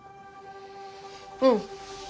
うん。